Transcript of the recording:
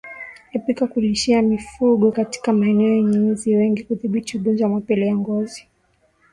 Epuka kulishia mifugo katika maeneo yenye inzi wengi kudhibiti ugonjwa wa mapele ya ngozi